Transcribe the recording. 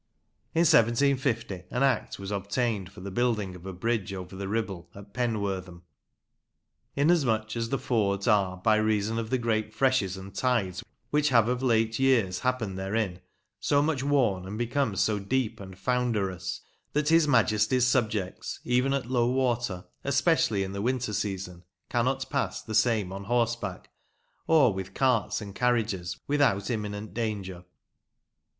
In 1750 an Act was obtained for the building of a bridge over the Ribble at Penwortham, " inasmuch as the fords are, by reason of the great freshes and tides which have of late years happened therein, so much worn and become so deep and founderous that His Majesty's subjects, even at low water, especially in the winter season, cannot pass the same on horseback, or with carts and carriages, without imminent danger."